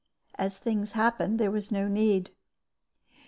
As things happened, there was no need.